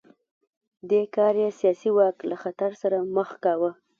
دې کار یې سیاسي واک له خطر سره مخ کاوه.